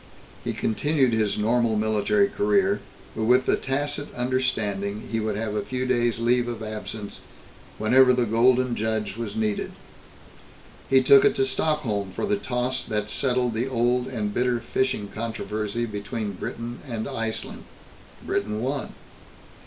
He continued his normal military career, but with the tacit understanding he would have a few days' leave of absence whenever the Golden Judge was needed. He took it to Stockholm for the toss that settled the old and bitter fishing controversy between Britain and Iceland. Britain won.